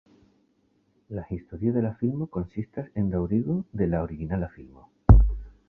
La historio de la filmo konsistas en daŭrigo de la originala filmo.